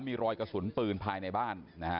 มีรอยกระสุนปืนภายในบ้านนะฮะ